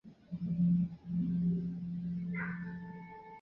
目前阿劳是瑞士足球超级联赛的参赛球队之一。